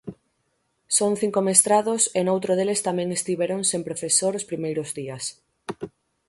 Son cinco mestrados e noutro deles tamén estiveron sen profesor os primeiros días.